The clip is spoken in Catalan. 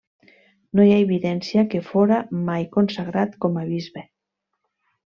No hi ha evidència que fóra mai consagrat com a bisbe.